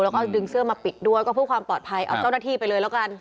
แล้วก็ดึงเสื้อมาปิดด้วยก็เพื่อความปลอดภัยเอาเจ้าหน้าที่ไปเลยแล้วกัน